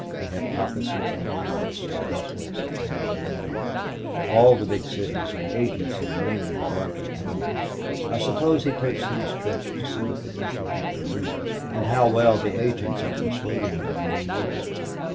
They have offices in Paris and Brussels and Berlin all the big cities, and agents in many of the larger towns. I suppose he takes these trips to see what the country people need and how well the agents are persuading them they need it.